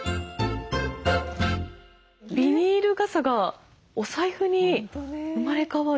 ビニール傘がお財布に生まれ変わる。